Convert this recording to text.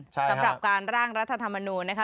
สำหรับการร่างรัฐธรรมนูญนะคะ